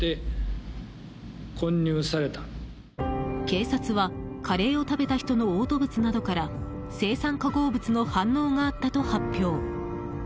警察はカレーを食べた人の嘔吐物などから青酸化合物の反応があったと発表。